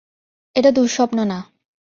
এটা দুঃস্বপ্ন না।